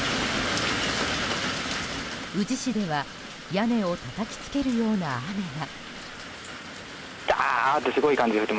宇治市では屋根をたたきつけるような雨が。